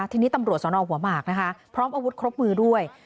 ทีนี้ตำรวจสนหัวหมากนะคะพร้อมอาวุธครบมือด้วย